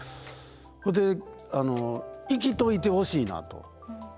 ほいで生きといてほしいなと。